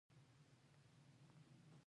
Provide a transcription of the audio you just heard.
او خپله برخه ادا کوي.